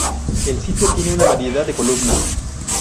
El sitio tiene una variedad de columnas.